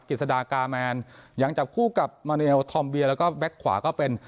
กิจสดากาแมนยังจับคู่กับมาเลลทอมเบียแล้วก็แบ็คขวาก็เป็น